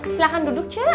silahkan duduk cak